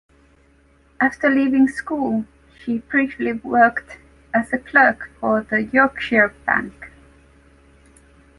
After leaving school she briefly worked as a clerk for the Yorkshire Bank.